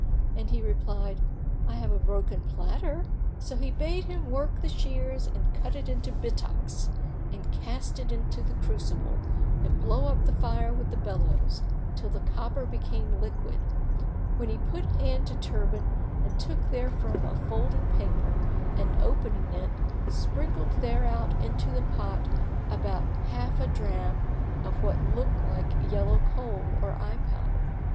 and he replied, "I have a broken platter." So he bade him work the shears[FN#13] and cut it into bittocks and cast it into the crucible and blow up the fire with the bellows, till the copper became liquid, when he put hand to turband and took therefrom a folded paper and opening it, sprinkled thereout into the pot about half a drachm of somewhat like yellow Kohl or eyepowder.